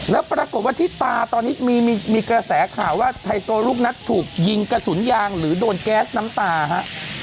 แล้วปรากฏว่าที่ตาตอนนี้มีกระแสข่าวว่าไฮโซลูกนัดถูกยิงกระสุนยางหรือโดนแก๊สน้ำตาฮะ